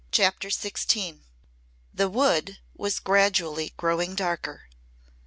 CHAPTER XVI The Wood was gradually growing darker.